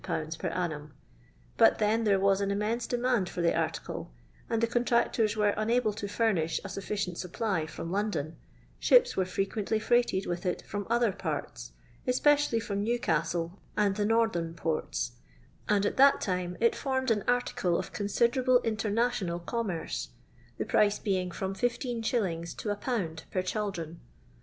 per annum ; but then there was an immense demand for the article, and the contractors were unable to furnish a sufficient supply from London ; ships were frequently freighted with it from other parts, especially from Newcastle and the northern ports, and at that time it formed an article of considerable international commerce — the price being from 15*. to 1/. per cliaMron.